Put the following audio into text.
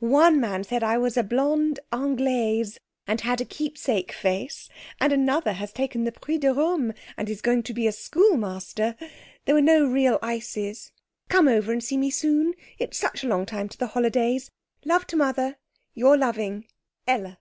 One man said I was a blonde anglaise, and had a keepsake face; and another has taken the Prix de Rome, and is going to be a schoolmaster. There were no real ices. Come over and see me soon. It's such a long time to the holidays. Love to mother. 'Your loving, 'ELLA.'